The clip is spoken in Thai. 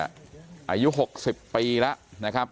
อายุหกสิบปีละนะครับ